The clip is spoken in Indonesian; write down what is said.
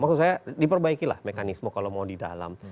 maksud saya diperbaikilah mekanisme kalau mau di dalam